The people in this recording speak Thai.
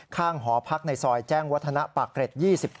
หอพักในซอยแจ้งวัฒนะปากเกร็ด๒๗